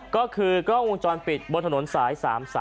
ก็คือกล้องวงจรปิดบนถนนสาย๓๓